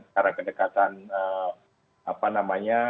karena kedekatan apa namanya